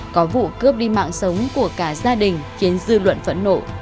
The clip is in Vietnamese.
có vụ cướp đi mạng sống của cả gia đình khiến dư luận phẫn nộ